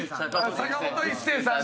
坂本一生さんね。